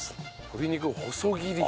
鶏肉細切り。